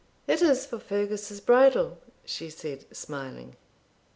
'It is for Fergus's bridal,' she said, smiling.